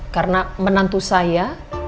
karena menantu saya